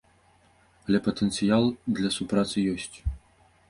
Але патэнцыял для супрацы ёсць.